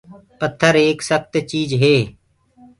پٿر ايڪ سکت چيٚج هي۔